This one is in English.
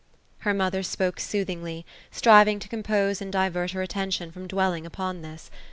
Her mother spoke soothingly ; striving to compose and divert her attention from dwelling upon this.